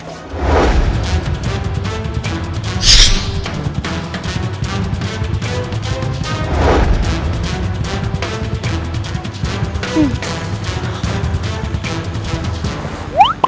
sudah satu dua tiga